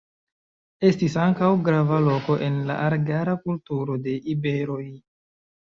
Estis ankaŭ grava loko en la argara kulturo de iberoj.